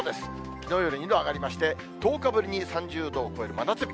きのうより２度上がりまして、１０日ぶりに３０度を超える真夏日。